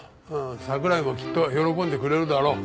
桜井もきっと喜んでくれるだろう。